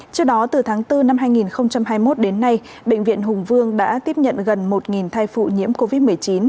trước đó từ tháng bốn năm hai nghìn hai mươi một đến nay bệnh viện hùng vương đã tiếp nhận gần một thai phụ nhiễm covid một mươi chín